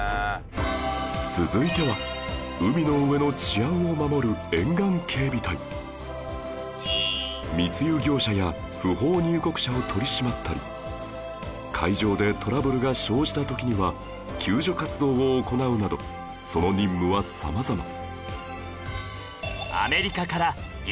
続いては海の上の治安を守る密輸業者や不法入国者を取り締まったり海上でトラブルが生じた時には救助活動を行うなどその任務はさまざま